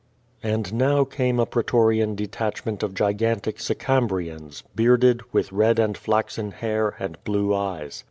And now came a pretorian detachment of gigantic Sicam brians, bearded, with red and flaxen hair, and blue eyes.